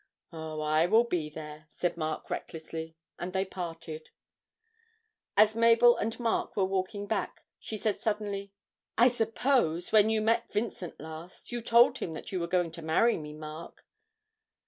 'Oh, I will be there,' said Mark recklessly; and they parted. As Mabel and Mark were walking back, she said suddenly, 'I suppose, when you met Vincent last, you told him that you were going to marry me, Mark?'